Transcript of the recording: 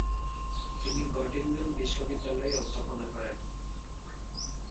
তিনি গটিনজেন বিশ্ববিদ্যালয়ে অধ্যাপনা করেন।